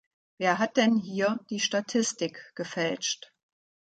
Wer hat denn hier die Statistik gefälscht?